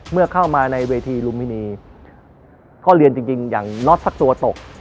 เมื่อเข้ามาในเวทีลุมพินีก็เรียนจริงอย่างน็อตสักตัวตก